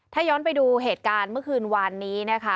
ถ้าย้อนไปดูเหตุการณ์เมื่อคืนวานนี้นะคะ